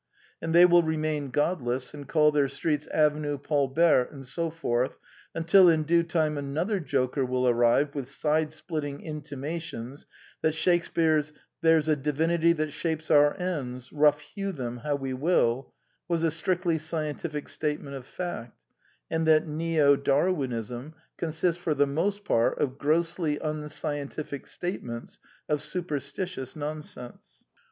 And they will remain godless, and call their streets Avenue Paul Bert and so forth, until in due time another joker will arrive with sidesplit ting intimations that Shakespear's *' There 's a divinity that shapes our ends, rough hew them how we will " was a strictly scientific statement of fact, and that " neo Darwinism " consists for the most part of grossly unscientific statements of superstitious nonsense.